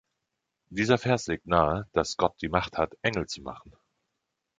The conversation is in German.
Dieser Vers legt nahe, dass Gott die Macht hat, Engel zu machen.